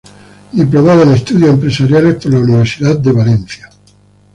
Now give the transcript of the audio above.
Diplomada en Estudios Empresariales por la Universidad de Valencia.